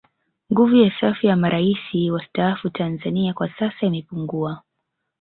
Nguvu ya safu ya Marais wastaafu Tanzania kwa sasa imepungua